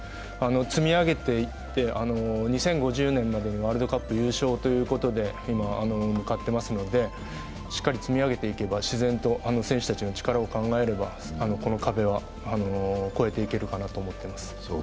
積み上げていって、２０５０年までにワールドカップ優勝ということで今向かってますので、しっかり積み上げていけば、自然と、あの選手たちの力を考えればこの壁は越えていけるかなと思っています。